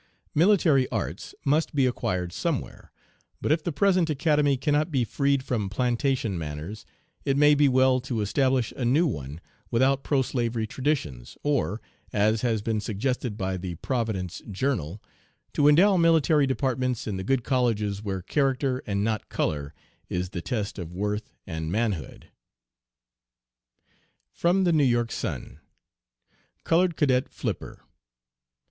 Military arts must be acquired somewhere; but if the present Academy cannot be freed from plantation manners, it may be well to establish a new one without pro slavery traditions, or, as has been suggested by the Providence Journal, to endow military departments in the good colleges where character and not color is the test of worth and manhood." (From the New York Sun.) COLORED CADET FLIPPER.